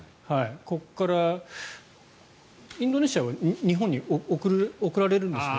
ここからインドネシアは日本に送られるんですか？